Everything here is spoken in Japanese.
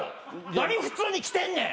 何普通に来てんねん。